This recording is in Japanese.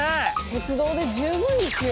鉄道で十分ですよ。